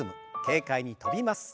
軽快に跳びます。